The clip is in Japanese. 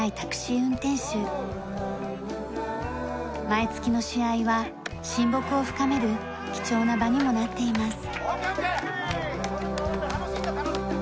毎月の試合は親睦を深める貴重な場にもなっています。